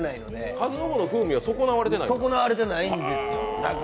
数の子の風味は損なわれてないんですか？